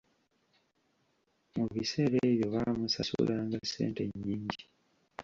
Mu biseera ebyo baamusasulanga ssente nyingi.